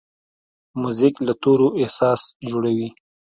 موزیک له تورو احساس جوړوي.